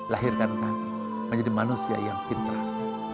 lahirkan kami menjadi manusia yang fintech